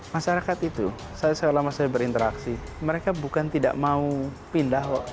masyarakat itu selama saya berinteraksi mereka bukan tidak mau pindah kok